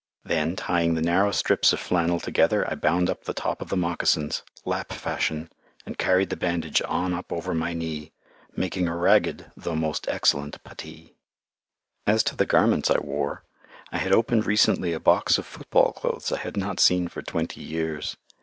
Then, tying the narrow strips of flannel together, I bound up the top of the moccasins, Lapp fashion, and carried the bandage on up over my knee, making a ragged though most excellent puttee. As to the garments I wore, I had opened recently a box of football clothes I had not seen for twenty years.